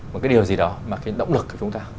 một cái điều gì đó mà cái động lực của chúng ta